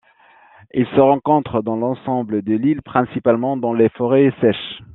Il se rencontre dans l'ensemble de l'île, principalement dans les forêts sèches.